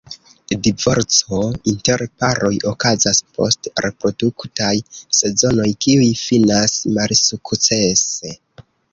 Divorco inter paroj okazas post reproduktaj sezonoj kiuj finas malsukcese.